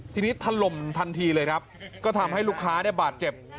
ทีนี้ถล่มทันทีเลยครับก็ทำให้ลูกค้าได้บาดเจ็บ